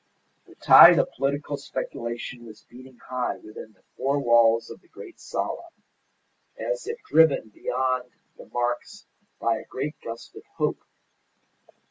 The tide of political speculation was beating high within the four walls of the great sala, as if driven beyond the marks by a great gust of hope.